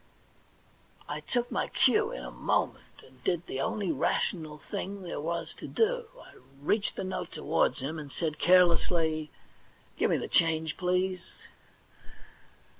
I took my cue in a moment, and did the only rational thing there was to do. I reached the note towards him, and said carelessly :' Give me the change, please.'